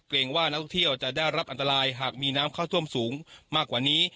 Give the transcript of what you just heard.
ว่านักท่องเที่ยวจะได้รับอันตรายหากมีน้ำเข้าท่วมสูงมากกว่านี้